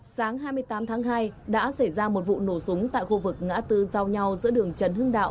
sáng hai mươi tám tháng hai đã xảy ra một vụ nổ súng tại khu vực ngã tư giao nhau giữa đường trần hưng đạo